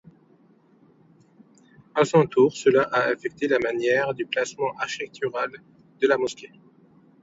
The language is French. À son tour, cela a affecté la manière du placement architectural de la mosquée.